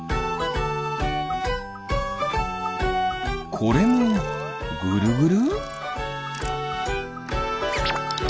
これもぐるぐる？